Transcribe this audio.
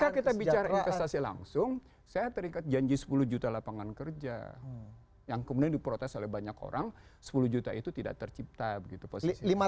ketika kita bicara investasi langsung saya terikat janji sepuluh juta lapangan kerja yang kemudian diprotes oleh banyak orang sepuluh juta itu tidak tercipta begitu posisinya